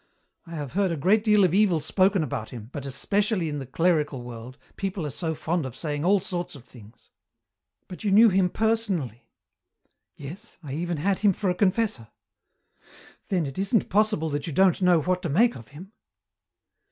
I have heard a great deal of evil spoken about him, but, especially in the clerical world, people are so fond of saying all sorts of things." "But you knew him personally." "Yes, I even had him for a confessor." "Then it isn't possible that you don't know what to make of him?"